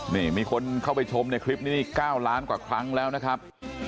นี่มีคนเข้าไปชมในคลิปนี้นี่๙ล้านกว่าครั้งแล้วนะครับ